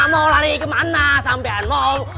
mau lari kemana sampian